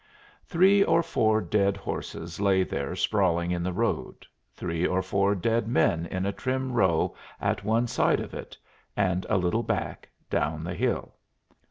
Three or four dead horses lay there sprawling in the road, three or four dead men in a trim row at one side of it, and a little back, down the hill.